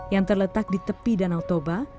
yang terletak di tepi danau toba